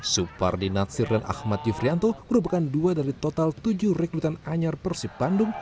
supardinat sirren ahmad yufrianto merupakan dua dari total tujuh rekrutan anyar persib bandung